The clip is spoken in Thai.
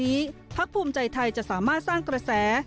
พักภูมิใจไทยจะสามารถสร้างกระแส